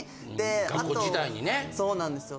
そうなんですよ。